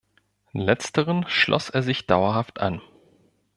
Letzteren schloss er sich dauerhaft an.